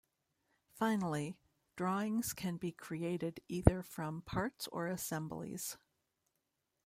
Finally, drawings can be created either from parts or assemblies.